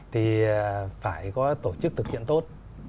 thì phải có tổ chức thực hiện tốt